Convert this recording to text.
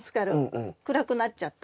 暗くなっちゃった。